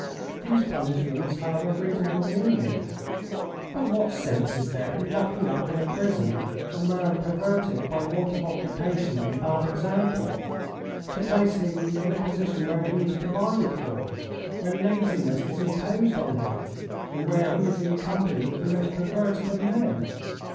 These punishments have a reasonable meaning. But what sense is there in locking up in a prison a man perverted by want of occupation and bad example; to place him in a position where he is provided for, where laziness is imposed on him, and where he is in company with the most perverted of men?